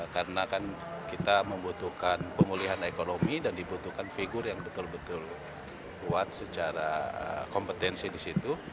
karena kan kita membutuhkan pemulihan ekonomi dan dibutuhkan figur yang betul betul kuat secara kompetensi di situ